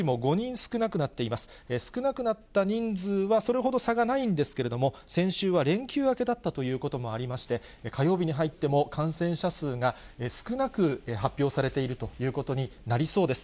少なくなった人数はそれほど差がないんですけれども、先週は連休明けだったということもありまして、火曜日に入っても感染者数が少なく発表されているということになりそうです。